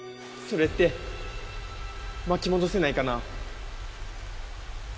それって巻き戻せないかな？